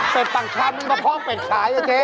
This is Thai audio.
เป็นปังชามึงมะพร้อมเป็นชายนะเจ๊